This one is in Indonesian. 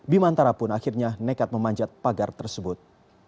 bimantara pun akhirnya nekat memanjat pagar tersebut